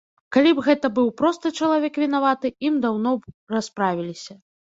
Калі б гэта быў просты чалавек вінаваты, ім даўно б расправіліся.